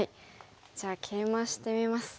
じゃあケイマしてみます。